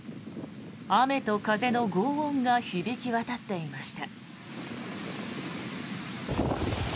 雨と風のごう音が響き渡っていました。